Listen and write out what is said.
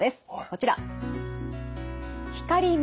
こちら。